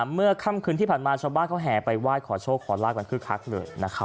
เมื่อค่ำคืนที่ผ่านมาชาวบ้านเขาแห่ไปไหว้ขอโชคขอลาบกันคึกคักเลย